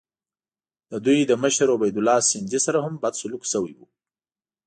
د دوی له مشر عبیدالله سندي سره هم بد سلوک شوی وو.